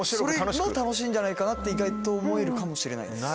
それも楽しいんじゃないかなって意外と思えるかもしれないです。